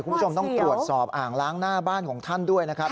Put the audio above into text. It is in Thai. คุณผู้ชมต้องตรวจสอบอ่างล้างหน้าบ้านของท่านด้วยนะครับ